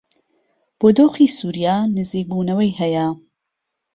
بۆ دۆخی سووریا نزیکبوونەوە هەیە